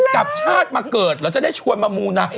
กลับชาติมาเกิดเหรอจะได้ชวนมามูนะ